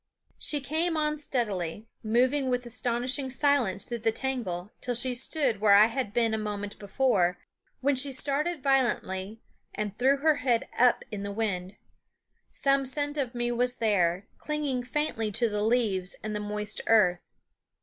She came on steadily, moving with astonishing silence through the tangle, till she stood where I had been a moment before, when she started violently and threw her head up into the wind. Some scent of me was there, clinging faintly to the leaves and the moist earth.